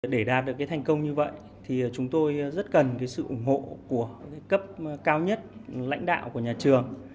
để đạt được thành công như vậy thì chúng tôi rất cần sự ủng hộ của cấp cao nhất lãnh đạo của nhà trường